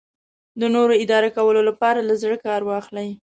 د نورو اداره کولو لپاره له زړه کار واخله.